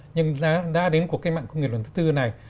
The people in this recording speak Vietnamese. nhưng đã đến cuộc cách mạng công nghiệp lần thứ tư này